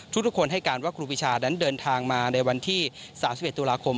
ทุกคนให้การว่าครูปีชานั้นเดินทางมาในวันที่๓๑ตุลาคม